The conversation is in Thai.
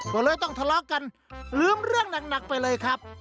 ก็เลยต้องทะเลาะกันลืมเรื่องหนักไปเลยครับ